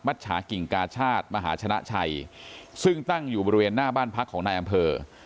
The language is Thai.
ฉากิ่งกาชาติมหาชนะชัยซึ่งตั้งอยู่บริเวณหน้าบ้านพักของนายอำเภอ